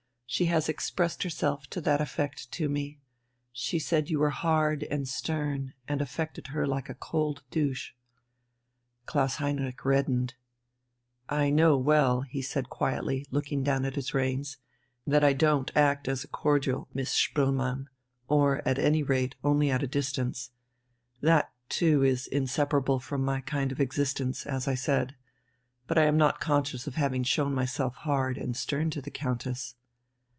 She has expressed herself to that effect to me. She said you were hard and stern and affected her like a cold douche." Klaus Heinrich reddened. "I know well," he said quietly, looking down at his reins, "that I don't act as a cordial, Miss Spoelmann, or, at any rate, only at a distance.... That, too, is inseparable from my kind of existence, as I said. But I am not conscious of having shown myself hard and stern to the Countess."